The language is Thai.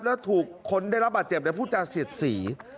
แล้วถูกคนได้รับบาดเจ็บพูดจาเสียดสี